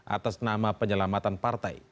atas nama penyelamatan partai